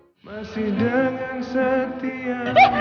hai masih dengan setia